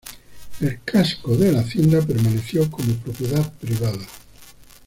El casco de la hacienda permaneció como propiedad privada.